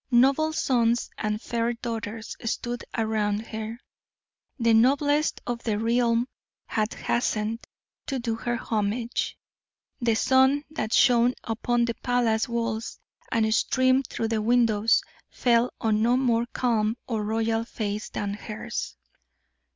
Noble sons and fair daughters stood around her; the noblest of the realm had hastened to do her homage. The sun that shone upon the palace walls and streamed through the windows, fell on no more calm or royal face than hers.